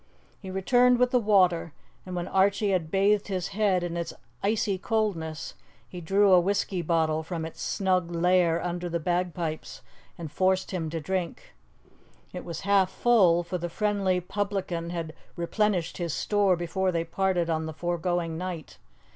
He returned with the water, and when Archie had bathed his head in its icy coldness, he drew a whisky bottle from its snug lair under the bagpipes, and forced him to drink. It was half full, for the friendly publican had replenished his store before they parted on the foregoing night.